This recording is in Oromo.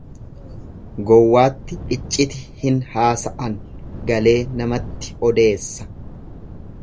Gowwaatti icciti hin haa sa'an galee namatti odeessaa.